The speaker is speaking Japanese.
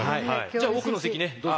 じゃあ奥の席ねどうぞ。